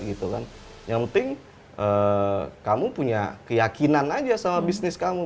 yang penting kamu punya keyakinan aja sama bisnis kamu